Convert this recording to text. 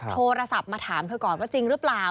โทรศัพท์มาถามเธอก่อนว่าจริงหรือเปล่า